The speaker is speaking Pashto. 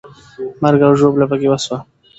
مرګ او ژوبله پکې وسوه.